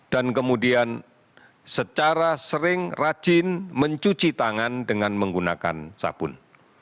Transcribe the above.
dan kemudian secara sering rajin mencuci tangan dengan menggunakan sabun